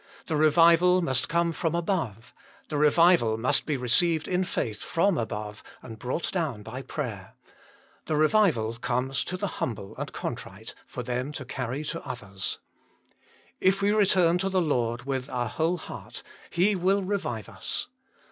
The revival must come from above; the revival must be received in faith from above and brought down by prayer; the revival comes to the humble and contrite, for them to carry to others ; if we return to the Lord with our whole heart, He will revive us.